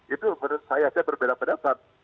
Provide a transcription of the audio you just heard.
itu saya berbeda pendapat